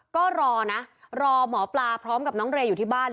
ก็รอนะรอหมอปลาพร้อมกับน้องเรย์อยู่ที่บ้าน